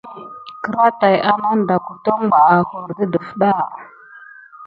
Kraà tät anadan keto ɓa hokorho de defta.